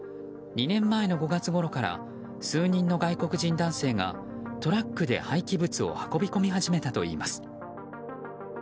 ２年前の５月ごろから数人の外国人男性がトラックで廃棄物を運び込み始めたといいます。